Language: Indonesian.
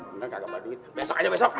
bener kagak balik duit besok aja besok